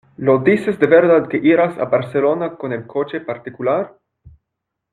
¿Lo dices de verdad que irás a Barcelona con el coche particular?